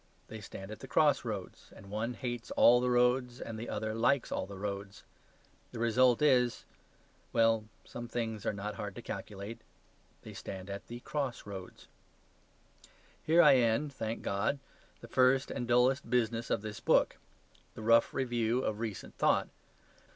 They stand at the crossroads, and one hates all the roads and the other likes all the roads. The result is well, some things are not hard to calculate. They stand at the cross roads. Here I end (thank God) the first and dullest business of this book the rough review of recent thought.